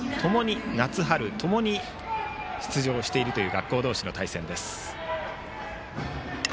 夏春ともに出場している学校同士の対戦です。